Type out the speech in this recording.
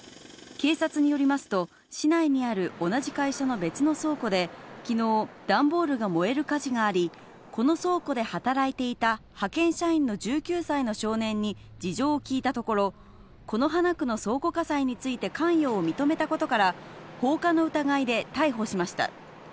警察によりますと、市内にある同じ会社の別の倉庫できのう、段ボールが燃える火事があり、この倉庫で働いていた派遣社員の１９歳の少年に事情を聴いたところ、此花区の倉庫火災について関与を認めたことから、放火の疑いで逮捕しました。